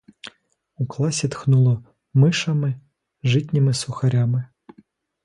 У класі тхнуло мишами, житніми сухарями.